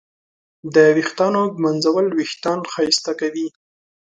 د ویښتانو ږمنځول وېښتان ښایسته کوي.